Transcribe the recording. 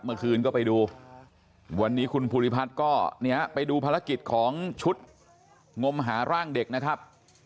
เมื่อคืนก็ไปดูวันนี้คุณภูริพัฒน์ก็เนี่ยไปดูภารกิจของชุดงมหาร่างเด็กนะครับ